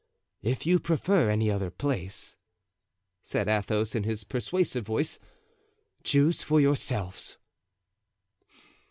"If you prefer any other place," said Athos, in his persuasive voice, "choose for yourselves."